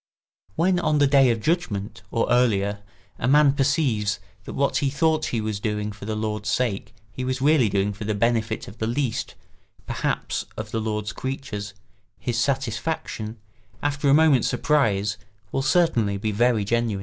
When on the day of judgment, or earlier, a man perceives that what he thought he was doing for the Lord's sake he was really doing for the benefit of the least, perhaps, of the Lord's creatures, his satisfaction, after a moment's surprise, will certainly be very genuine.